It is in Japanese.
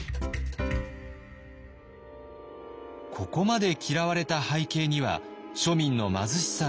ここまで嫌われた背景には庶民の貧しさがありました。